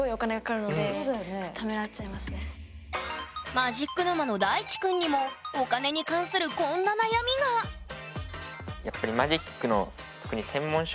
マジック沼の大智くんにもお金に関するこんな悩みがやっぱりはあ。